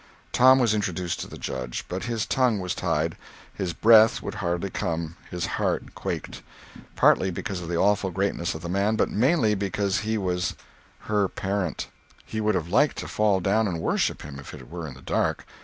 Tom was introduced to the Judge; but his tongue was tied, his breath would hardly come, his heart quaked—partly because of the awful greatness of the man, but mainly because he was her parent. He would have liked to fall down and worship him, if it were in the dark.